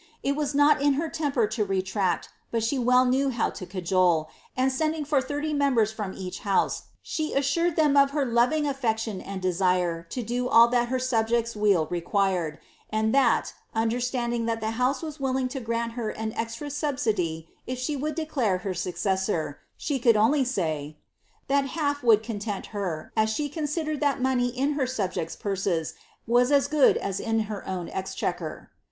Ii waa i in her temper lo retract, but she well knew how lo cajole, and sendi for thirty members from each house, she assured them of her lori aftciiou and desire lo do all that her subjects' weal required, and tb nnderaianding that the house was willing to grant her an extra aubai if she would declare her successor; she cnuld only say, "^that In would content her, as she considered that money in her subjects' pan wu as good as in her own exchequer."'